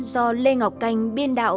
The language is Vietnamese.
do lê ngọc canh biên đạo